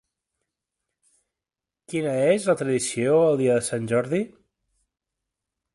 Quina és la tradició el dia de Sant Jordi?